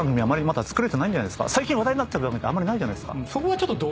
最近話題になってる番組ってあんまりないじゃないですか。